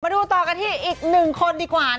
มาดูต่อกันที่อีก๑คนดีกว่านะ